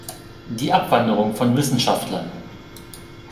Die Abwanderung von Wissenschaftlern.